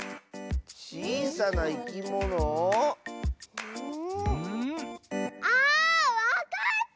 ちいさないきもの？あわかった！